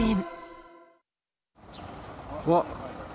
うわっ！